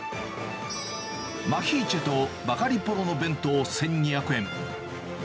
マヒーチェとバガリポロの弁当１２００円。